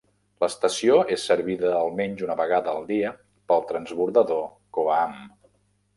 L'estació és servida almenys una vegada al dia pel transbordador Koaham.